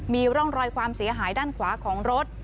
มีร่องรอยความเสียหายด้านขวาของรถ